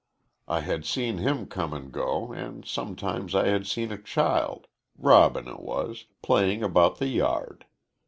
I had seen him come and go, and sometimes I had seen a child Robin it was playing about the yard.